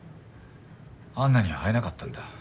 安奈には会えなかったんだ。